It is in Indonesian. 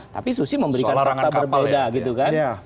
tapi susi memberikan fakta berbeda gitu kan